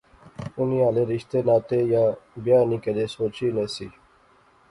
انی ہالے رشتے ناطے یا بیاہ نی کیدے سوچی ایہہ نہسی